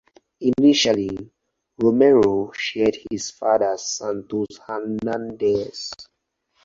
Initially, Romero shared his father's Santos Hernandez.